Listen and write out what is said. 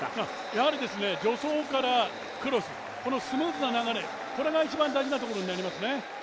やはり助走からクロス、このスムーズな流れ、これが一番大事なところになりますね。